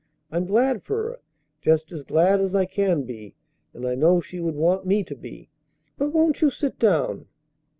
I'm glad for her, just as glad as I can be; and I know she would want me to be. But won't you sit down?